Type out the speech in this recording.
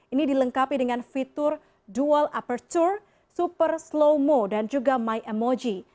ini dilengkapi dengan fitur dual upperture super slow mo dan juga my emoji